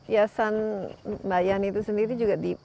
yasan bayani itu sendiri juga